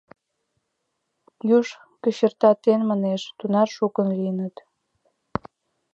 Юж кочыртатен манеш, тунар шукын лийыныт.